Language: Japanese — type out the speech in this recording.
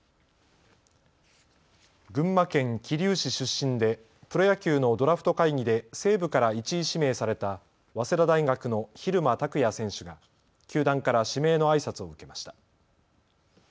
群馬県桐生市出身でプロ野球のドラフト会議で西武から１位指名された早稲田大学の蛭間拓哉選手が球団から指名のあいさつを受けました。